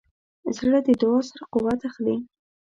زړه د دعا سره قوت اخلي.